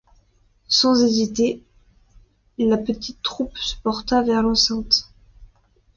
Sans hésiter, la petite troupe se porta vers l’enceinte.